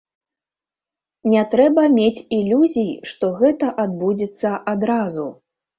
Не трэба мець ілюзій, што гэта адбудзецца адразу.